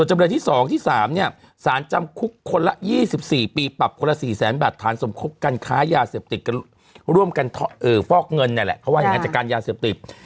จำเลยที่๒ที่๓เนี่ยสารจำคุกคนละ๒๔ปีปรับคนละ๔แสนบาทฐานสมคบกันค้ายาเสพติดร่วมกันฟอกเงินเนี่ยแหละเขาว่าอย่างนั้นจากการยาเสพติด